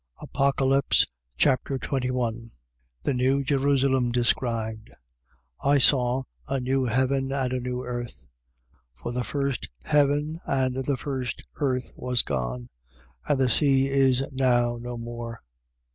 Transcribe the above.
Apocalypse Chapter 21 The new Jerusalem described. 21:1. I saw a new heaven and a new earth. For the first heaven and the first earth was gone: and the sea is now no more.